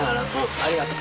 ありがとう。